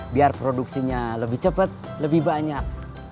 biar produksinya lebih cepat lebih banyak